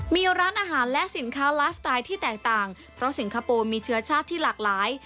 มีร้านอาหารและสินค้าไลฟ์สไตล์ที่แตกต่างเพราะสิงคโปร์มีเชื้อชาติที่หลากหลาย